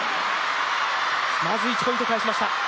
まず１ポイント返しました。